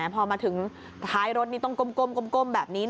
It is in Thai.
พอมาถึงท้ายรถนี่ต้องก้มแบบนี้